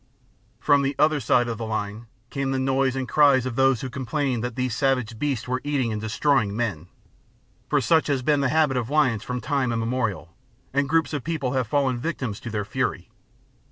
From the other side of the line came the noise and cries of those who complained that these savage beasts were eating and destroying men, For such has been the habit of lions from time immemorial, and groups of people have fallen victims to their fury.